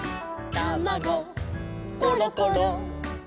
「たまごころころ」